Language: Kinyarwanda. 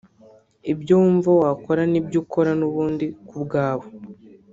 ibyo wumva wakora nibyo ukora n’ubundi ku bwawe”